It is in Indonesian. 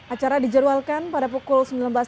acara dijerwalkan pada pukul